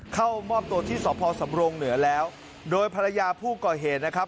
เข้ามอบตัวที่สพสำรงเหนือแล้วโดยภรรยาผู้ก่อเหตุนะครับ